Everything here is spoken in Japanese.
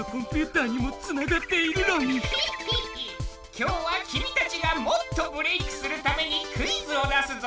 今日は君たちがもっとブレイクするためにクイズを出すぞ！